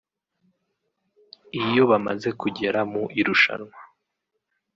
iyo bamaze kugera mu irushanwa